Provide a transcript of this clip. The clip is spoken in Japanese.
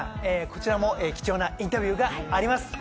こちらも貴重なインタビューがあります。